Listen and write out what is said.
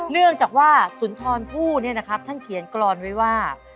เนื่องจากว่าสุนทรณผู้เนี่ยนะครับท่านเขียนกรอนไว้ว่า